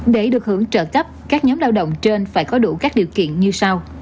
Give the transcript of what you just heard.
để được hưởng trợ cấp các nhóm lao động trên phải có đủ các điều kiện như sau